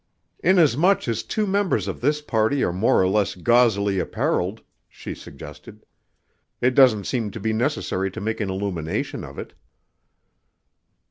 "Inasmuch as two members of this party are more or less gauzily appareled," she suggested, "it doesn't seem to be necessary to make an illumination of it."